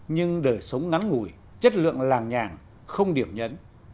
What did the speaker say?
nhưng đời sống ngắn ngủi chất lượng làng nhàn không điểm nhấn